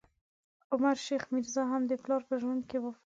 عمر شیخ میرزا، هم د پلار په ژوند کې وفات شو.